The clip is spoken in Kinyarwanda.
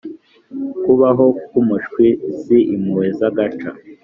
kubaho kumushwi si impuhwe za gaca